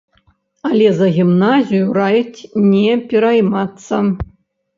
Але за гімназію раяць не пераймацца.